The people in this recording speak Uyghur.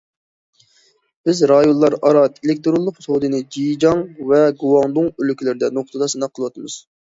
بىز رايونلار ئارا ئېلېكتىرونلۇق سودىنى جېجياڭ ۋە گۇاڭدۇڭ ئۆلكىلىرىدە نۇقتىدا سىناق قىلىۋاتىمىز.